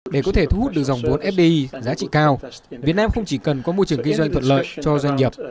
để có thể thu hút được dòng vốn fdi giá trị cao việt nam không chỉ cần có môi trường kinh doanh thuận lợi cho doanh nghiệp